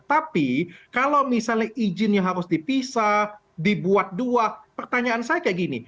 tapi kalau misalnya izinnya harus dipisah dibuat dua pertanyaan saya kayak gini